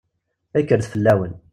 Kkret fell-awen!